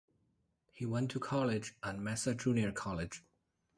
He went to college at Mesa Junior College.